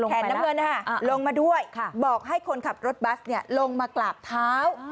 น้ำเงินลงมาด้วยบอกให้คนขับรถบัสลงมากราบเท้า